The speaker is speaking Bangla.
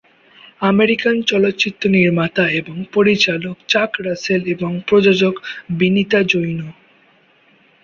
আমেরিকান চলচ্চিত্র নির্মাতা এবং পরিচালিত চাক রাসেল এবং প্রযোজক বিনীত জৈন।